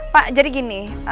pak jadi gini